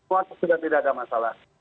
wah sudah tidak ada masalah